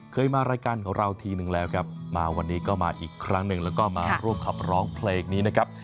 เคยมารายการของเราทีนึงแล้วครับมาวันนี้ก็มาอีกครั้งหนึ่งแล้วก็มาร่วมขับร้องเพลงนี้นะครับ